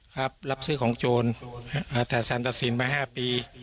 ครับรับซื้อของโจรแถวแสนตัดสินมา๕ปี